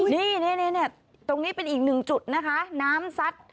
นี่ตรงนี้เป็นอีกหนึ่งจุดนะคะน้ำซัด